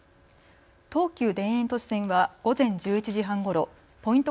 東急田園都市線は午前１１時半ごろポイント